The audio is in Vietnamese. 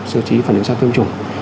sự trí phản ứng sau tiêm chủng